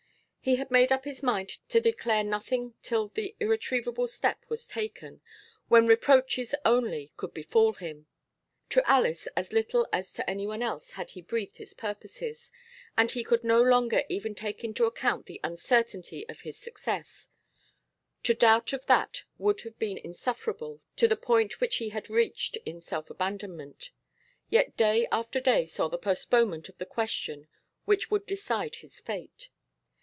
He had made up his mind to declare nothing till the irretrievable step was taken, when reproaches only could befall him; to Alice as little as to any one else had he breathed of his purposes. And he could no longer even take into account the uncertainty of his success; to doubt of that would have been insufferable at the point which he had reached in self abandonment. Yet day after day saw the postponement of the question which would decide his fate.